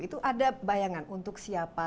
itu ada bayangan untuk siapa